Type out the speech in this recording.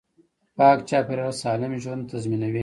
پاک چاپیریال سالم ژوند تضمینوي